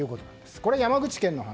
これ、山口県の話。